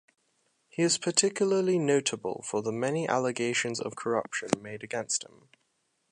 He is particularly notable for the many allegations of corruption made against him.